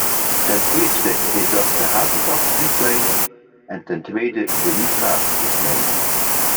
Ten eerste is dat de habitatrichtlijn en ten tweede de nitraatrichtlijn.